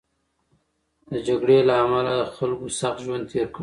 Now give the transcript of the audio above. د جګړې له امله خلکو سخت ژوند تېر کړ.